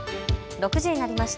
６時になりました。